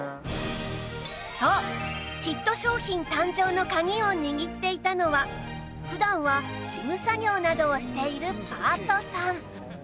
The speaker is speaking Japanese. そうヒット商品誕生の鍵を握っていたのは普段は事務作業などをしているパートさん